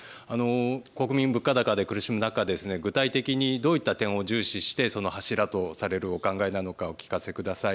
国民、物価高で苦しむ中、具体的にどういった点を重視してその柱とするお考えなのかお聞かせください。